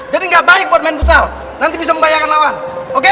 jadi nggak baik buat main futsal nanti bisa membayangkan lawan oke